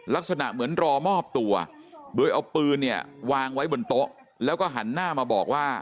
ลักษณะเหมือนรอมอบตัวโดยเอาปืนเนี่ยวางไว้บนโต๊ะแล้วก็หันหน้ามาบอกว่า